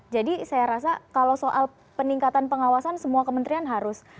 jadi saya rasa kalau soal peningkatan pengawasan semua kementerian harus